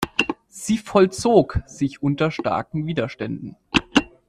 Sie vollzog sich unter starken Widerständen.